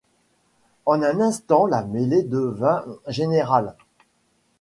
En un instant la mêlée devint générale.